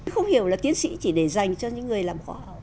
không hiểu là tiến sĩ chỉ để dành cho những người làm khoa học